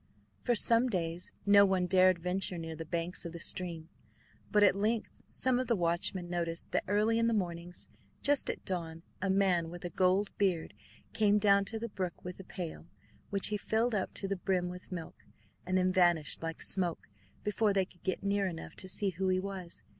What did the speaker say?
For some days no one dared venture near the banks of the stream, but at length some of the watchmen noticed that early in the mornings, just at dawn, a man with a gold beard came down to the brook with a pail, which he filled up to the brim with milk, and then vanished like smoke before they could get near enough to see who he was.